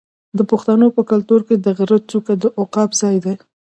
د پښتنو په کلتور کې د غره څوکه د عقاب ځای دی.